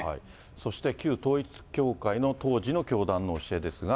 そして旧統一教会の当時の教団の教えですが。